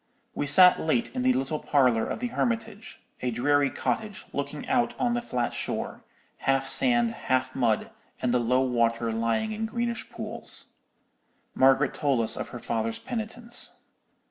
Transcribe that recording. We sat late in the little parlour of the Hermitage; a dreary cottage, looking out on the flat shore, half sand, half mud, and the low water lying in greenish pools. Margaret told us of her father's penitence.